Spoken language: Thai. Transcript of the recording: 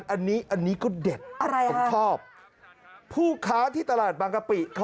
อันนี้อันนี้ก็เด็กมาก